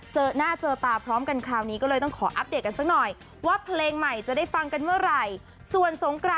เจอหน้าเจอตาพร้อมกันคราวนี้ก็เลยต้องขออัปเดตกันสักหน่อยว่าเพลงใหม่จะได้ฟังกันเมื่อไหร่